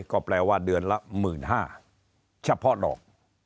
ก็แปลว่าเดือนละหมื่นห้าเฉพาะดอก